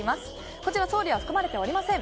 こちら送料は含まれておりません。